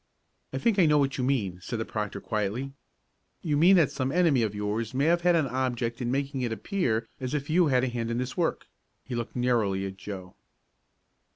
"I think I know what you mean," said the proctor quietly. "You mean that some enemy of yours may have had an object in making it appear as if you had a hand in this work." He looked narrowly at Joe.